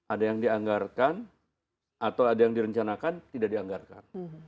ada yang dianggarkan atau ada yang direncanakan tidak dianggarkan